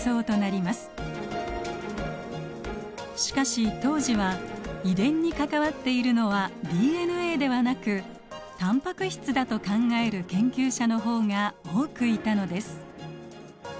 しかし当時は遺伝に関わっているのはＤＮＡではなくタンパク質だと考える研究者の方が多くいたのです。